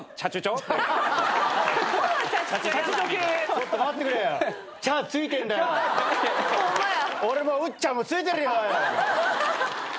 ちょっと待ってくれよ。ホンマや。